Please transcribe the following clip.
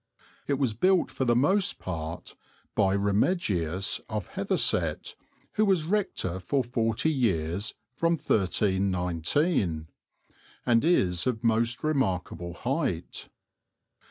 It was built for the most part by Remigius of Hethersett, who was rector for forty years from 1319, and is of most remarkable height.